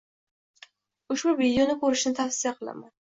Ushbu videoni ko‘rishni tavsiya qilaman.